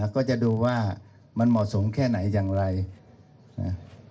ก็จะดูว่ามันเหมาะสมแค่ไหนอย่างไรนะ